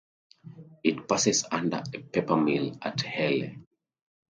It passes under a paper mill at Hele.